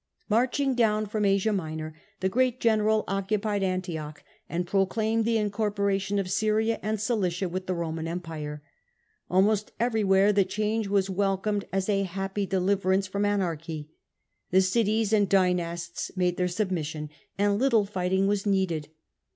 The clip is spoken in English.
Marching down from Asia Minor, the great general occupied Antioch and proclaimed the incorporation of Syria and Cilicia with the Roman empire. Almost every where the change was welcomed as a happy deliverance from anarchy. The cities and dynasts made their sub mission, and little fighting was needed.